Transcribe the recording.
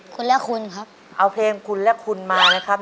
คุณและคุณครับเอาเพลงคุณและคุณมานะครับ